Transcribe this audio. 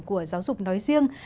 của giáo dục nói riêng